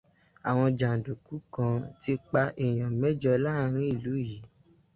Àwọn jàndùkú kan ti pa èèyàn mẹ́jọ láàárín ìlú yìí.